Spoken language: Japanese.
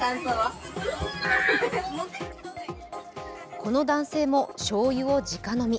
この男性もしょうゆを直飲み。